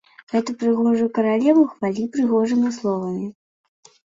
Гэту прыгожую каралеву хвалі прыгожымі словамі.